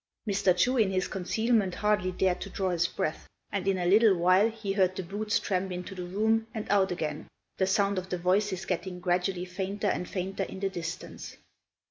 Mr. Chu in his concealment hardly dared to draw his breath; and in a little while he heard the boots tramp into the room and out again, the sound of the voices getting gradually fainter and fainter in the distance.